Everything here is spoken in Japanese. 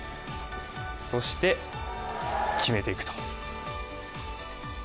そして決めていくと。